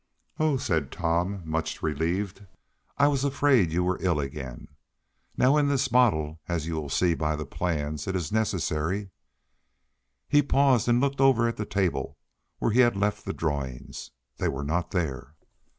"Oh!" said Tom, much relieved. "I was afraid you were ill again. Now, in this model, as you will see by the plans, it is necessary " He paused, and looked over at the table where he had left the drawings. They were not there!